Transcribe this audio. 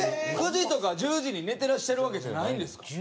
９時とか１０時に寝てらっしゃるわけじゃないんですか？